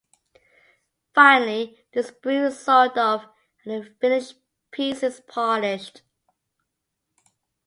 Finally, the sprue is sawed off and the finished piece is polished.